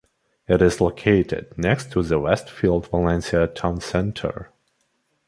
It is located next to the Westfield Valencia Town Center.